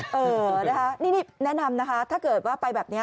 เออนะคะนี่แนะนำนะคะถ้าเกิดว่าไปแบบนี้